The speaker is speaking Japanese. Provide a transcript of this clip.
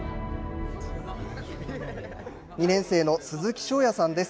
２年生の鈴木晶也さんです。